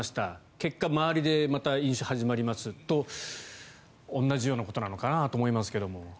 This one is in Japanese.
結果、周りでまた飲酒が始まりますと同じようなことなのかなと思いますけど。